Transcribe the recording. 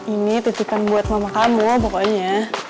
ini tucikan buat mama kamu pokoknya